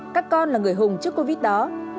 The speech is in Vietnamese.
các con là người hùng trước covid đó